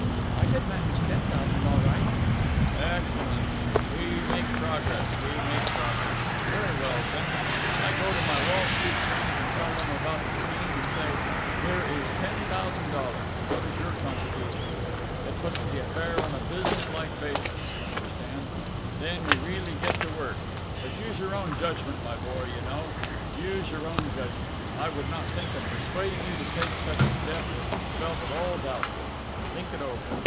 "I could manage ten thousand all right." "Excellent. We make progress, we make progress. Very well, then. I go to my Wall Street friends and tell them about the scheme, and say 'Here is ten thousand dollars! What is your contribution?' It puts the affair on a business like basis, you understand. Then we really get to work. But use your own judgment, my boy, you know. Use your own judgment. I would not think of persuading you to take such a step, if you felt at all doubtful. Think it over.